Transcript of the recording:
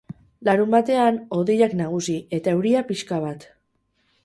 Larunbatean, hodeiak nagusi, eta euria pixka bat.